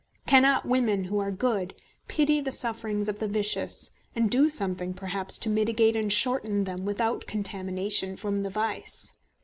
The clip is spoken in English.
Cannot women, who are good, pity the sufferings of the vicious, and do something perhaps to mitigate and shorten them without contamination from the vice?